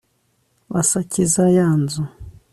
basakiza ya nzu